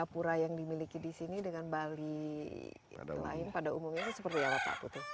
pura pura yang dimiliki di sini dengan bali dan lain pada umumnya seperti apa pak putuh